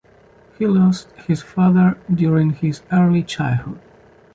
He lost his father during his early childhood.